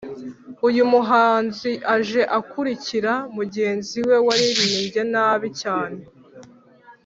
uyu muhanzi aje akurikira mugenzi we waririmbye nabi cyane